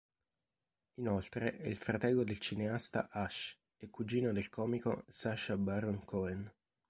Inoltre è il fratello del cineasta Ash e cugino del comico Sacha Baron Cohen.